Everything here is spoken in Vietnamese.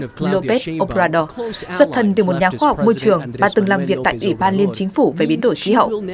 galopez obrador xuất thân từ một nhà khoa học môi trường bà từng làm việc tại ủy ban liên chính phủ về biến đổi khí hậu